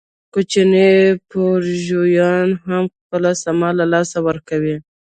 کوچني بورژوایان هم خپله سپما له لاسه ورکوي